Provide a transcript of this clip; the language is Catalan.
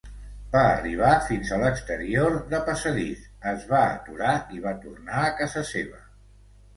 Va arribar fins a l'exterior de passadís, es va aturar i va tornar a casa seva.